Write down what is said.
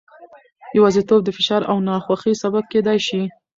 یوازیتوب د فشار او ناخوښۍ سبب کېدای شي.